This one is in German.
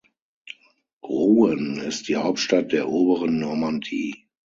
Rouen ist die Hauptstadt der Oberen Normandie.